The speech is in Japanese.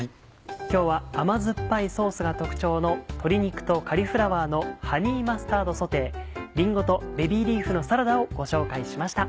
今日は甘酸っぱいソースが特徴の「鶏肉とカリフラワーのハニーマスタードソテー」「りんごとベビーリーフのサラダ」をご紹介しました。